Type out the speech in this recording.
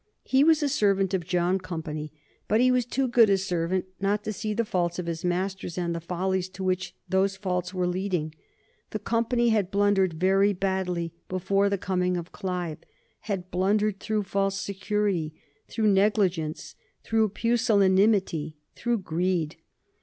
He was a servant of John Company, but he was too good a servant not to see the faults of his masters and the follies to which those faults were leading. The Company had blundered very badly before the coming of Clive; had blundered through false security, through negligence, through pusillanimity, through greed.